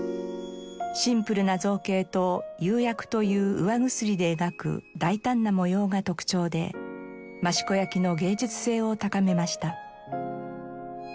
シンプルな造形と釉薬といううわぐすりで描く大胆な模様が特徴で益子焼の芸術性を高めました。